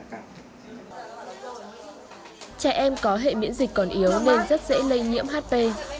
trẻ em có hệ miễn dịch còn yếu nên rất dễ lây nhiễm hp